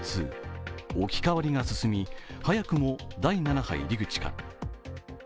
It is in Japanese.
２置き換わりが進み、早くも第７波入り口か。